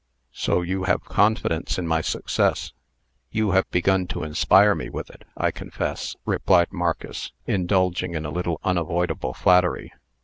"So you have confidence in my success?" "You have begun to inspire me with it, I confess," replied Marcus, indulging in a little unavoidable flattery.